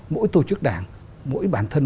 mỗi tổ chức đảng mỗi bản thân